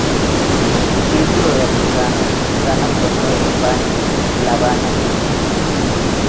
Círculo de Artesanos, San Antonio de los Baños, La Habana, Cuba.